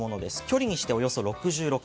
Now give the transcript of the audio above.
距離にして、およそ６６ｋｍ。